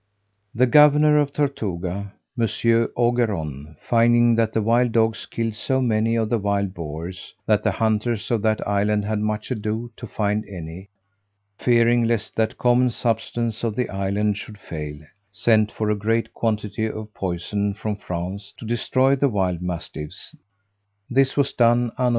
The governor of Tortuga, Monsieur Ogeron, finding that the wild dogs killed so many of the wild boars, that the hunters of that island had much ado to find any; fearing lest that common substance of the island should fail, sent for a great quantity of poison from France to destroy the wild mastiffs: this was done, A.